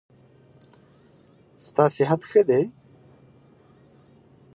ستا صحت ښه دی؟